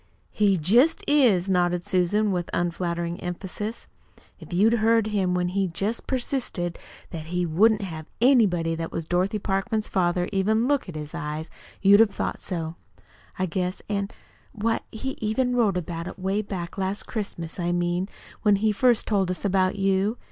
"He jest is," nodded Susan with unflattering emphasis. "If you'd heard him when he jest persisted that he wouldn't have anybody that was Dorothy Parkman's father even look at his eyes you'd have thought so, I guess. An' why, he even wrote about it 'way back last Christmas I mean, when he first told us about you.